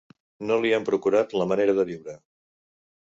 No li han procurat la manera de viure.